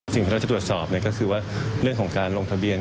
สิ่งที่เราจะตรวจสอบก็คือว่าเรื่องของการลงทะเบียน